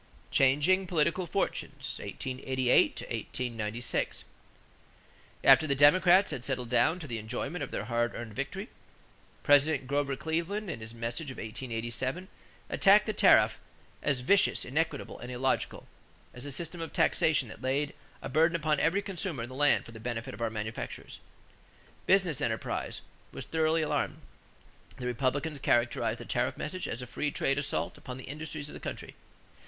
=Changing Political Fortunes (1888 96).= After the Democrats had settled down to the enjoyment of their hard earned victory, President Cleveland in his message of 1887 attacked the tariff as "vicious, inequitable, and illogical"; as a system of taxation that laid a burden upon "every consumer in the land for the benefit of our manufacturers." Business enterprise was thoroughly alarmed. The Republicans characterized the tariff message as a free trade assault upon the industries of the country.